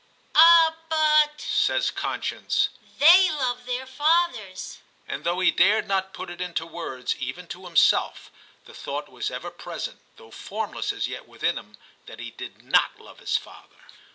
'Ah! but,* says conscience, Hhey love their fathers. And though he dared not put it into words even to himself, the thought was ever present, though formless as yet within him, that he did not love his father.